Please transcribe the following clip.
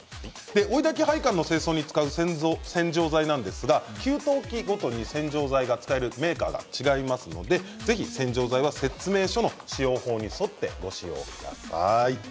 追いだき配管の清掃に使う洗浄剤ですが、給湯器ごとに洗浄剤が使えるメーカーが違いますので、ぜひ洗浄剤は説明書の使用法に沿ってご使用ください。